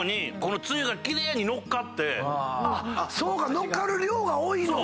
乗っかる量が多いのか。